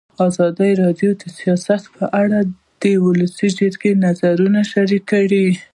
ازادي راډیو د سیاست په اړه د ولسي جرګې نظرونه شریک کړي.